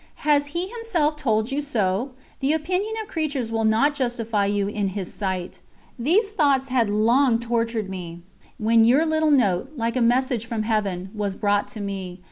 Has He Himself told you so? The opinion of creatures will not justify you in His sight.' These thoughts had long tortured me, when your little note, like a message from Heaven, was brought to me.